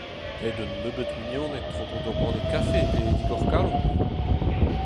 Ped un nebeud mignoned tro-dro d'ur banne kafe pe digor-kalon.